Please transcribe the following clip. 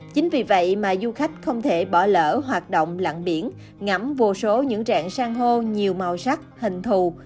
chính vì vậy mà du khách không thể bỏ lỡ hoạt động lặng biển ngắm vô số những rạng sang hô nhiều màu sắc hình thù